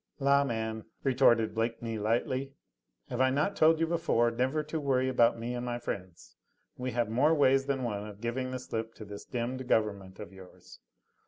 "La, man," retorted Blakeney lightly, "have I not told you before never to worry about me and my friends? We have more ways than one of giving the slip to this demmed government of yours.